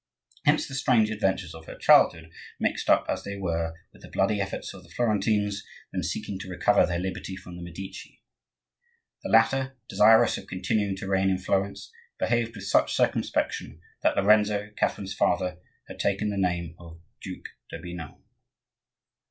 Hence the strange adventures of her childhood, mixed up as they were with the bloody efforts of the Florentines, then seeking to recover their liberty from the Medici. The latter, desirous of continuing to reign in Florence, behaved with such circumspection that Lorenzo, Catherine's father, had taken the name of Duke d'Urbino.